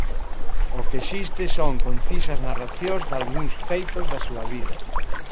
O que existe son concisas narracións dalgúns feitos da súa vida.